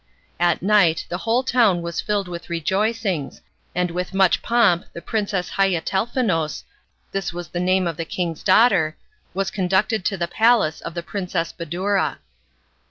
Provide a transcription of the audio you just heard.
At night the whole town was filled with rejoicings, and with much pomp the Princess Haiatelnefous (this was the name of the king's daughter) was conducted to the palace of the Princess Badoura.